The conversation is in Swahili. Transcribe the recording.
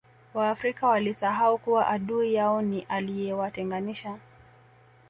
waafrika walisahau kuwa adui yao ni aliyewatenganisha